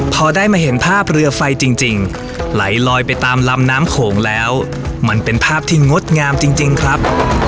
พอได้มาเห็นภาพเรือไฟจริงไหลลอยไปตามลำน้ำโขงแล้วมันเป็นภาพที่งดงามจริงครับ